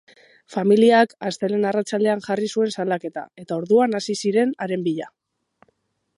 Familiak astelehen arratsaldean jarri zuen salaketa, eta orduan hasi ziren haren bila.